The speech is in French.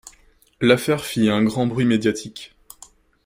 L'affaire fit un grand bruit médiatique.